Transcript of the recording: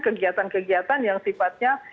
kegiatan kegiatan yang sifatnya